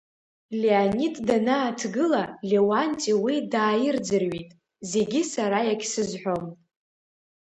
Леонид данааҭгыла, Леуанти уи дааирӡырҩит, зегьы сара иагьсызҳәом.